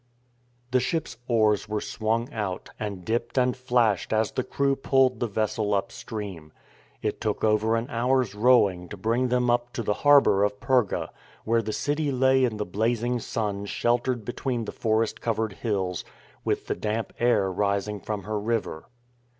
The ship's oars were swung out, and dipped and flashed as the crew pulled the vessel upstream. It took over an hour's rowing to bring them up to the harbour of Perga, where the city lay in the blazing sun sheltered between the forest covered hills, with the damp air rising from her river.